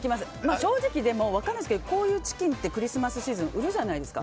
正直、分からないですけどこういうチキンってクリスマスシーズン売るじゃないですか。